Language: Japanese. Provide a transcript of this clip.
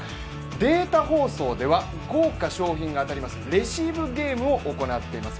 データ放送では豪華賞品が当たりますレシーブゲームを行っています。